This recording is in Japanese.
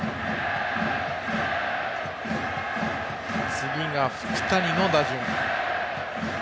次が福谷の打順。